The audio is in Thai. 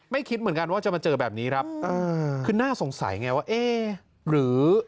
คิดเหมือนกันว่าจะมาเจอแบบนี้ครับเออคือน่าสงสัยไงว่าเอ๊ะหรือ